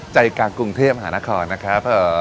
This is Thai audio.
ใจกลางกรุงเทพหานครนะครับ